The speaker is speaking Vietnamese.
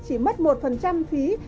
chỉ mất một phí